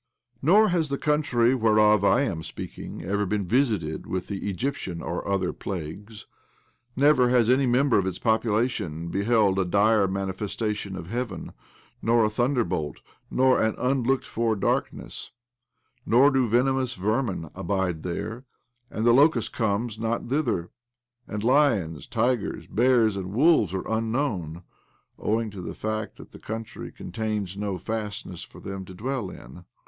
Nor has the country whereof I am speak ing ever been visited with the Egyptian or other plagues. Never has any member of its population beheld a dire manifestation of Heaven, nor a thunderbolt, nor an un looked for darkness ; nor do venomous vermin abide there, and the locust comes not thither, and lions, tigers, bears, and wolves are unknown (owing to the fact that the country contains no fastnesses for them to dwell in).